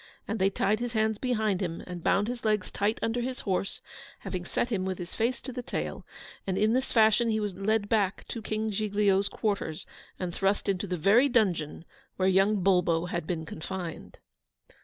And they tied his hands behind him, and bound his legs tight under his horse, having set him with his face to the tail; and in this fashion he was led back to King Giglio's quarters, and thrust into the very dungeon where young Bulbo had been confined.